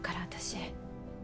私